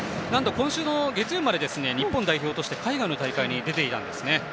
今週の月曜日まで日本代表として海外の大会に出ていたんですね。